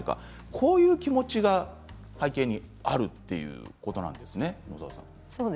こういう気持ちが背景にあるということなんですね。